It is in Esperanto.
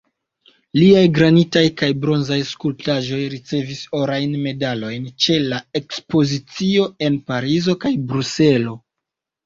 Liaj granitaj kaj bronzaj skulptaĵoj ricevis orajn medalojn ĉe ekspozicioj en Parizo kaj Bruselo.